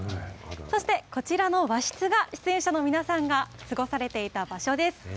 そしてこちらの和室が、出演者の皆さんが過ごされていた場所です。